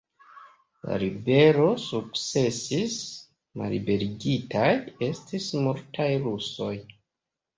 La ribelo sukcesis, malliberigitaj estis multaj rusoj.